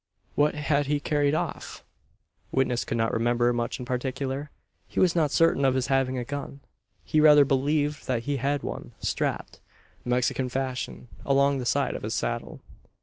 What had he carried off? Witness could not remember much in particular. He was not certain of his having a gun. He rather believed that he had one strapped, Mexican fashion, along the side of his saddle.